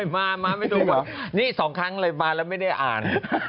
มามาไม่ดูเหรอนี่๒ครั้งเลยมาแล้วไม่ได้อ่าน